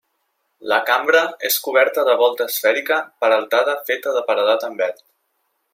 La cambra és coberta de volta esfèrica peraltada feta de paredat en verd.